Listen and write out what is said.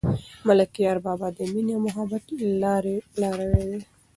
ملکیار بابا د مینې او محبت لاروی دی.